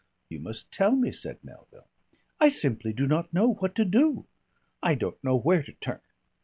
"You must tell me," said Melville. "I simply do not know what to do. I don't know where to turn."